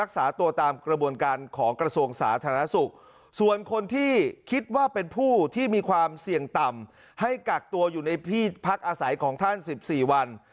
เสี่ยงต่ำให้กักตัวอยู่ในพี่พักอาศัยของท่าน๑๔วัน